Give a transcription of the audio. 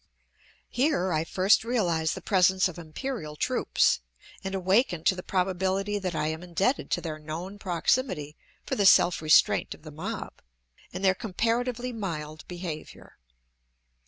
Here I first realize the presence of Imperial troops, and awaken to the probability that I am indebted to their known proximity for the self restraint of the mob, and their comparatively mild behavior.